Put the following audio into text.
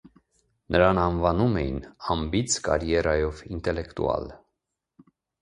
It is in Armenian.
Նրան անվանում էին «անբիծ կարիերայով ինտելեկտուալ»։